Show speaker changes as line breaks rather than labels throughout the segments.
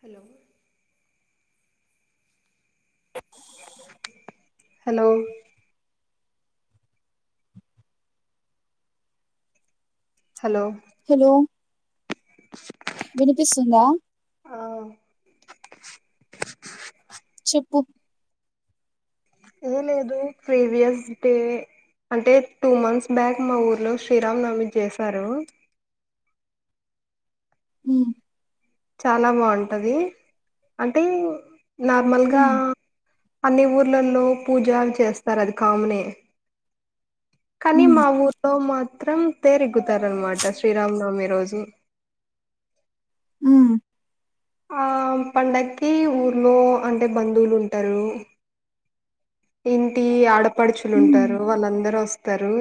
Hello hello hello
hello వినిపిస్తుందా
ఆ
చెప్పు
ఏం లేదు ప్రీవియస్ డే అంటే టూ మంత్స్ బ్యాక్ మా ఊర్లో శ్రీరామ్ నమి చేశారు
హ్మ్మ్
చాలా బాగుంటది అంటే నార్మల్గా
ఉమ్
అన్ని ఊర్లలో పూజలు చేస్తారు అది కామనే కానీ
ఉమ్
మా ఊర్లో మాత్రం తేరి ఇగ్గుతారనమాట శ్రీరామనవమి రోజు
అ
ఆ పండగకి ఊర్లో అంటే బంధువులు ఉంటారు ఇంటి ఆడపడుచులు
ఉమ్
ఉంటారు వాళ్ళందరూ వస్తారు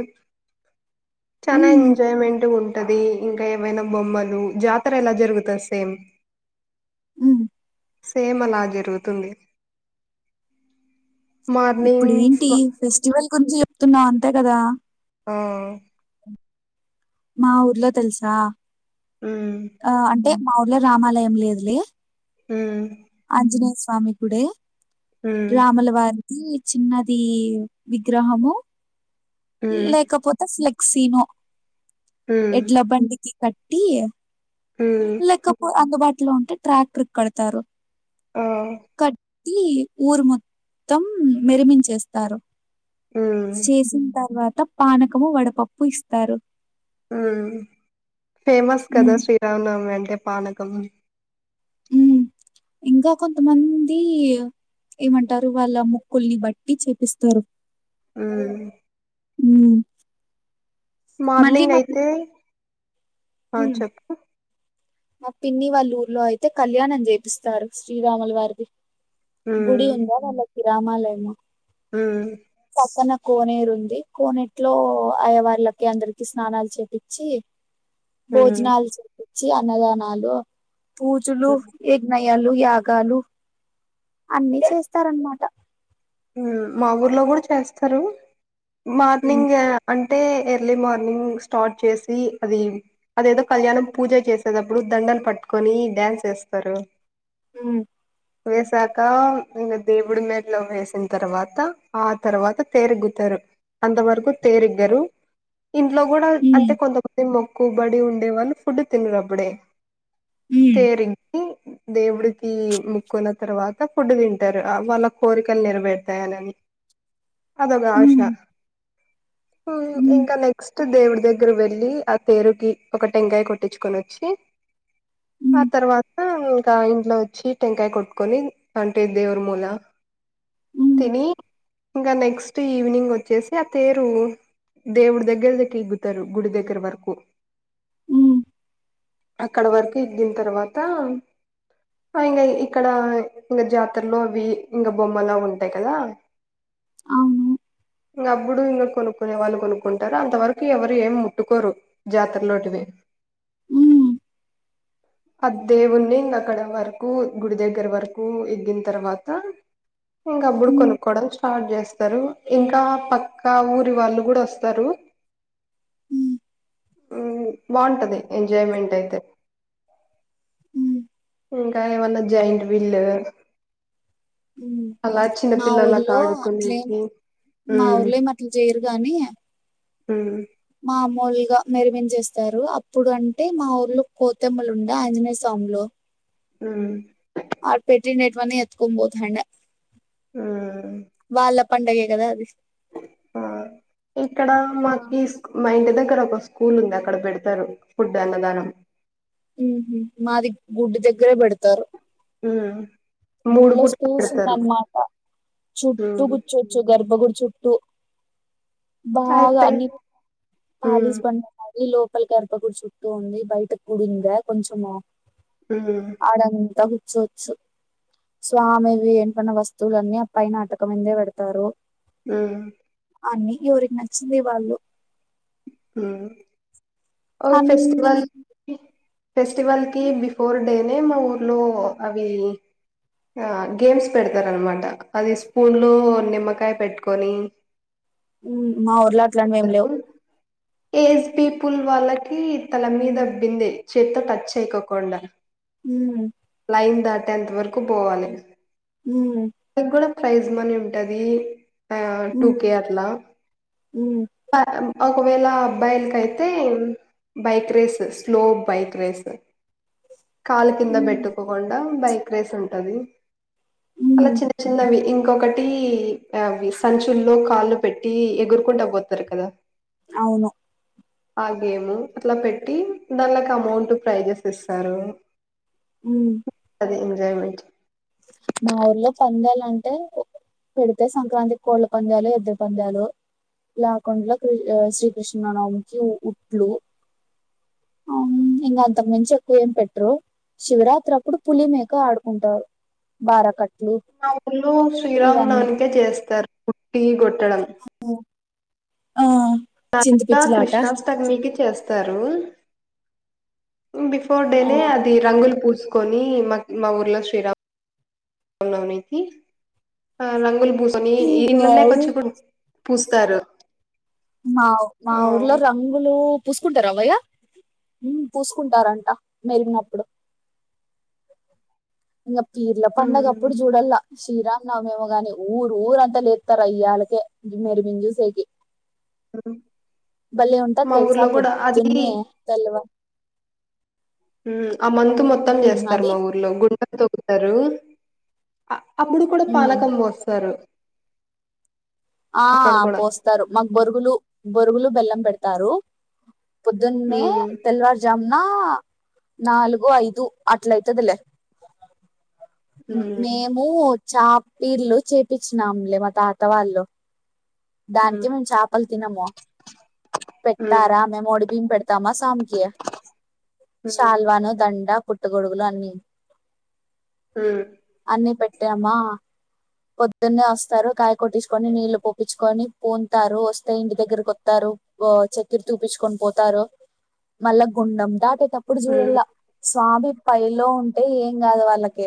చానా
ఉమ్
ఎంజాయ్మెంట్ గా ఉంటది ఇంకా ఏవైనా బొమ్మలు జాతర ఎలా జరుగుతాది సేమ్
హ్మ్మ్
సేమ్ అలా జరుగుతుంది మార్నింగ్
ఇప్పుడేంటి
స్వ
ఫెస్టివల్ గురించి చూపుతున్నా అంతే కదా
ఆ
మా ఊర్లో తెలుసా
హ్మ్మ్
ఆ అంటే మా ఊర్లో రామాలయం లేదులే
హుమ్మ్
ఆంజనేయ స్వామి కూడే రాములవారి ఈ చిన్నది విగ్రహము
ఉమ్
లేకపోతే క్సీనో
ఉమ్
ఎడ్లా బండికి కట్టీ
ఉమ్
లేకపో అంగ్ బాట్ ఇంట్లో ఉంటే ట్రాక్టర్క్ కడతారు.
ఆ
ఈ ఊరు మొత్తం మెరమించేస్తారు.
ఉమ్
చేేసింతర్వాత్ త్త పానకము వడపప్పు ఇస్తారు.
హ్మ్ ఫేమస్ కదా
హ్మ్.
శ్రీరామ్ నవమి అన్ ఎ పానకం
ఉ ఇంకా కొంతమంది ఏమంటారు వాళ్ళ ముక్కుల్ని బట్టి చేపిస్తారు.
ఊ
ఊ
మార్నింగ్ అయితే ఆ
హ్మ్.
చెప్పు
మా పిన్ని వాళ్ళూర్ల్లో అయితే కళ్యాణం చేపిస్తారు శ్రీరాముల వారిది గుడి
ఉమ్
ఉందా వాళ్ళక్ రామాలయమా
హ్మ్
పక్కన కోనేరు ఉంది. కోనేట్లో అయ్య వాళ్ళకి అందరికి స్నానాలు చేపించి
ఉమ్
భోజనాలు చేపిన్ చి అన్నదానాలు పూజులు ఎజ్ఞై యాలు యాగాలు అన్ని చేస్తారన్మాట
హ్మ్ మా ఊర్లో కూడా చేస్తారు.
హ్మ్.
మార్నింగే అన్ టే ఎర్లీ మార్నింగ్ స్టార్ట్ చేసి అది అదేదో కళ్యాణం పూజ చేసేటప్పుడు దండను పట్టుకొని డ్యాన్స్ చేస్తారు.
హ్మ్
వేసాక ఇంగ దేవుడు మేడలో వాస్ దాంతర్వాత ఆ తర్వాత తేరుగుత్తరు. అంతవరకు తేరిగ్గరు. ఇంట్లో కూడా
హ్మ్.
అంటే కొంత మంది మొ కుబడి ఉండే వాళ్ళు ఫుడ్ తినరు అప్పుడే.
హ్మ్.
తేరి గి దేవుడికి ముక్కున్న తర్వాత ఫుడ్ తింటారు ఆ వాళ్ళ కోరికలు నెరవేర్ వెత్తాలని అదోక ఆశ
హ్మ్.
ఊ
హ్మ్.
ఇంకా నెక్స్ట్ దేవుడి దగ్గర వెళ్ళి ఆ తేరుకి ఒక టెంకాయ కొట్టించుకొని వచ్చి ఆ
హ్మ్.
తర్వాత ఇంకా ఇంట్లోచ్చి టెంకాయ కొట్టుకొని అంటే దేవుడి ముంద
హ్మ్.
తిని ఇంకా నెక్స్ట్ ఈవినింగ్ వచ్చేసి ఆ తేరు దేవుడి దగ్గరదికి తరు గుడి దగ్గర వరకు
ఉమ్
అక్కడ వరకు ఎగ్గిన తర్వాత ఫైన్గా ఇక్కడ ఇంగ జాతరలో అవి ఇంక బొమ్మలా ఉం టయ్ కదా
అవును
ఇంగ అప్పుడు ఇగ కొనుక్కునే వాళ్ళు కొనుక్కుంటారు అంతవరకు ఎవరు ఏం ముట్టుకోరు జాతరలోటివి
హ్మ్.
అ దేవుణ్ణి ఇంగ అక్కడ వరకు గుడి దగ్గర వరకు ఎగ్గిన తర్వాత ఇంకాప్పుడు
హ్మ్.
కొనుక్కోవడం స్టార్ట్ చేస్తారు ఇంకా పక్కా ఊరి వాళ్ళు కూడా వస్తారు
హ్మ్.
బాగుంటది ఎంజాయ్మెంట్ అయితే
హ్మ్.
ఇంకా ఏమన్నా జైంట్ విల్
మా ఊర్లో అట్లేం
ఆడుకునేకి
మా ఊర్లో ఏమి అట్లా చేయరు గానీ
మ్మ్
మామూలుగా మెరుమించేస్తారు అప్పుడు అంటే మా ఊర్లో కోతిమ్మలు ఉండే ఆంజనేయ స్వాములు
ఉమ్
ఆ పెట్టినేటివన్ని ఎత్తుకొని పోతాండే
ఉమ్
వాళ్ళ పండగే కదా అది
ఆ ఇక్కడ
ఆ!
మాకిస్ మా ఇంటి దగ్ గ్గర ఒక స్కూల్ ఉంది అక్కడ పెడతారు ఫుడ్ అన్నదానం
మాది గుడి దగ్గరే పెడతారు
ఊహూ
గుళ్ళొ స్పేస్ ఉందన్నమాట చుట్టూ
ఉమ్
కూర్చోచ్చు గర్భ గుడ్ చుట్టూ బాగా
అయిపోయి
అని
ఉమ్
పాలీస్ బండ ఈ లోపలి గర్భగుడి చుట్టూ ఉంది బయట కుడింది కొంచము
హ్మ్
ఆడంతం చొచ్చు స్వామివి ఏంటన్న వస్తువులన్నీ అ పైన అటకం మీందే పెడతారు
మ్మ్
అన్ని ఎవరికి నచ్చింది వాళ్ళు
ఉమ్ ఓ
అన్ని
ఫెస్టివల్ ఫెస్టివల్కి బిఫోర్ డే టే మా ఊర్లో అవి ఆ గేమ్స్ పెడతారు అనమాట అది స్పూన్ లో నిమ్మకాయ పెట్టుకొని
మా ఊర్లా అట్లాంటి ఏమి లేవు
ఏజ్ పీపుల్ వాళ్ళకి తల మీద బిందే చేత్తో టచ్ చేయకోకుండా
మ్మ్
లైన్ దాటేంత వరకు పోవాలి.
ఉమ్
దానికి కూడా ప్రైజ్ మనీ ఉంటది. టూ
ఉమ్
కే అట్లా
ఉమ్
ఒకవేళ అబ్బాయిలకయితే bike race slow bike race కాలు కింద
ఉమ్
పెట్టుకోకుండా బైక్ రేస్ ఉంటుంది. అలా
ఉమ్
చిన్న చిన్నవి ఇంకొకటి ఆవి సంచుల్లో కాళ్ళు పెట్టి ఎగురుకుంటా పోతారు కదా.
అవును
ఆ గేము అట్లా పెట్టి దానిలోకి అమౌంట్ ప్రైజెస్ ఇస్తారు.
ఉ
ఎంజాయ్మెంట్.
మా ఊర్లో పందాలు అంటే పెడితే సంక్రాంతికి కోళ్ళ పందాలు ఎద్దు పందాలు లేకుండా. క శ్రీకృష్ణనది ఉట్లు ఆ ఇంకా అంతకు మించి ఎక్కువ ఏం పెట్టరు. శివరాత్రి అప్పుడు పులి మేక ఆడుకుంటారు. బారా కట్ట
మా ఉల్లో శ్రీరామనవమికె చేస్తారు ఉట్టిగొట్టి
అ [inaudible] ఆ పిచ్చిలాట
కృష్ణాస్టమికి చేస్తా తరు. బిఫోర్ డేనే అది రంగుల పూ ఊలోరా రంగు [inaudible] [unintelligible] ని ఇల్లల్లో
వావ్
కొచ్చుకుం [unintelligible] పుస్తారు.
మాఊ మా ఊర్లో రంగులు పూసుకుంటారా వయ్యా పూసుకుంటారంట మెరిగినప్పుడు. ఇకా పీర్ల పండుగప్పుడు
ఉమ్
చూడల్లా. శ్రీరాంనవమేమో గాని ఊరు ఊరంతా లేస్తారు అయ్యళ్ళకే మిరిమింజూసేకి. బలే ఉంటాది
మా
తెల్సా
ఊర్లో కూడా అది
పొద్దున్నే తెల్వ
ఆ మంతు మొత్తం
ఉమ్
చేస్తారు
అది
మా ఊర్లో గు తోక్కుతారు అప్పుడు కూడా
ఉమ్
పానకం బోస్తరు.
ఆ
కూడా
పోస్తారు మాకు బొరుగులు బొరుగులు బెల్లం. పెడతారు. పుదున్నే
ఉమ్
తెల్వార్ జామున. నా నాలుగు ఐదు అట్లయితదలే
ఉమ్
మేము చా పీర్లు చేపచ్చినాంలే మా తాత వాళ్ళు దానికి
ఉమ్
మేము చేపలు తినము
ఉమ్
పెట్టారా మేము ఒడి బీయ తామా సాంకి
ఉమ్
షాల్వాను దండ పుట్టగొడుగులు అన్నీ
ఉమ్
టామా పొద్దున్నే వస్తారు కాయ కొట్టించుకొని నీళ్లు పోపిచ్చుకొని పుంతారు వస్తే ఇంటి దగ్గరకొస్తారు చక్కెర తూపించుకొని పోతారు మళ్ళా గుండెం దాటి అప్పుడు
ఉమ్
చూడల్లా స్వామి పైలో ఉంటే ఏం కాదు వాళ్ళకి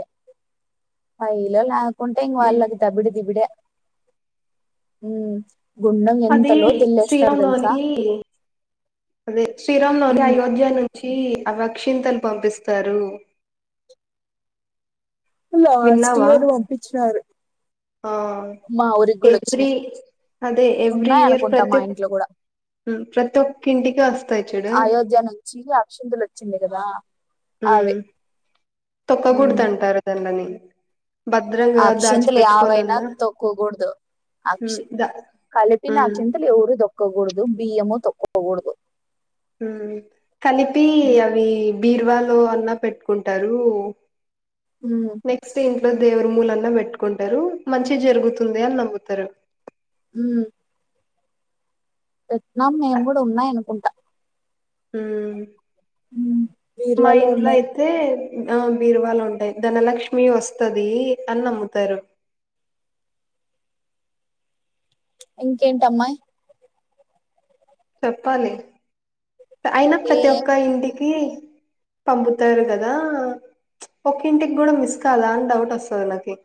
పైలో కుంటే ఇంకా వాళ్ళకి
ఉమ్
దబిడి దిబిడే ఉమ్ గుండం ఎంత
అది
లోతు ఎళ్ళేస్తారు
శ్రీరామ్
తెలుసా
నవమి అదే శ్రీరామ్ నవమీ
ఉమ్
అయోధ్య నుంచి కి అవక్షింతలు పంపిస్తారు
లాస్ట్
విన్నావా
ఇయర్ పంపించినారు
ఆ
మా ఊరికి కూడా
ఎవ్రీ
వచ్చినాయి
అదే ఎవ్రీ
ఉన్నాయి
ఇయర్
అనుకుంటా మా
ప్రత్య
ఇంట్లో కూడా
ప్రతి ఒక్కంటికి వస్తాయి చూడు
అయోధ్య నుంచి అక్షింతలు వచ్చింది కదా అవే ఉమ్
తొక్కకూడదు అంటారు కదా అమని
అక్షింతలు యావైనా తొక్కకూడదు
ఉమ్
అక్షి
దా
కలిపిన
ఉమ్
అక్షింతలు ఎవరు తొక్కకూడదు వద్దు బియ్యము తొక్కకూడదు
ఉమ్ కలిపి
ఉమ్
అవి బీర్వాలో అన్నా పెట్టుకుంటారు
ఉమ్
నెక్స్ట్ ఇంట్లో దేవర్ మూలన్న పెట్టుకుంటారు మంచి జరుగుతుంది అని నమ్ముతారు
ఉమ్ పెట్నాం మేము
అ-
కూడా ఉన్నాయి అనుకుంటా
ఉమ్
ఉమ్.
మా
బీరువాలో
ఇంట్లో
ఉన్నాయి
అయితే ఆ బీరువాలో ఉంటాయి ధనలక్ష్మి వస్తది అని నమ్ముతారు
ఇంకేంటమ్మాయి
చెప్పాలి అయినా
ఏ
ప్రతి ఒక్క ఇంటికి పంపుతారు కదా ఒక ఇంటికి కూడా మిస్ కాదా అని డౌట్ వస్తది నాకి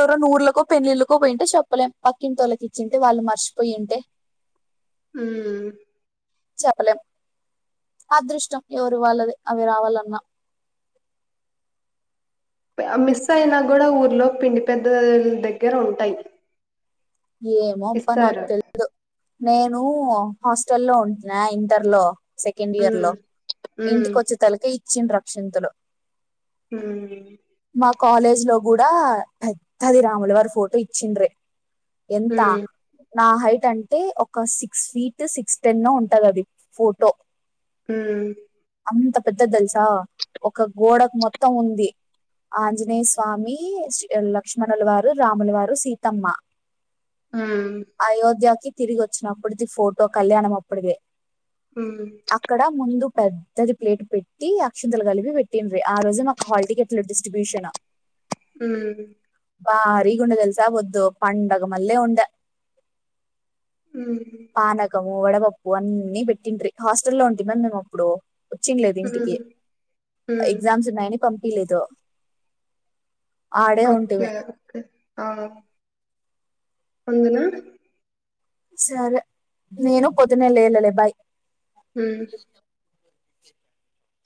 ఎవరన్నా ఊళ్ళకో పెళ్లిళ్లకో పోయింటే చెప్పలేం పక్కింటోళ్ళకి ఇచ్చింటే వాళ్ళు మర్చిపోయింటే
ఉమ్..
చెప్పలేం అదృష్టం ఎవరు వాళ్ళది అవి రావాలన్నా
మిస్ అయినా కూడా ఊర్లో పిండి పెద్ద దగ్గర ఉంటాయి
ఏమోబ్బా నాకు
ఇస్తారు
తెలీదు నేను హాస్టల్ లో ఉంటున్నా ఇంటర్ లో సెకండ్ ఇయర్ లో
ఉమ్
ఇంటికి
ఉమ్
వచ్చే తలకి శ్చిం రక్షంతులు [inaudible]
హుమ్మ్
మా కాలేజ్ లో కూడా పెద్దది రాములు వారి ఫోటో ఇచ్చిండ్రే ఎంత
ఉమ్
నా హైట్ అంటే ఒక సిక్స్ ఫీట్ సిక్స్ టెన్ ఉంటది అది ఫోటో
హుమ్
అంత పెద్దది తెలుసా ఒక గోడకు మొత్తం ఉంది, ఆంజనేయ స్వామి లక్ష్మణుల వారు రాముల వారు సీతమ్మ.
ఉమ్
అయోధ్యాకి తిరిగి వచ్చినప్పుటిది ఫోటో కళ్యాణం అప్పటిదే
ఉమ్
అక్కడ ముందుక్ పెద్దది ప్లేట్ పెట్టి అక్షంతలు కలిపి పెట్టిన్రె ఆ రోజు మాకు హాల్ టికెట్లు డిస్ట్రిబ్యూషన్
ఉమ్
బారీ గుండెతెల్సా వొద్దు పండగమల్లె ఉండ
ఉమ్మ్
వడపప్పు అన్ని పెట్టిండ్రీ హాస్టలో ఉంటే మే మేము అప్పుడు వచ్చింలేదు ఇంటికి
ఉమ్ ఉమ్
ఎగ్జామ్స్ ఉన్నాయని పంపి ఏదో [inaudible]
ఓకే ఓకే ఆ అవునా
సరే నేను పొద్దున్న లేలలే బాయ్
హుమ్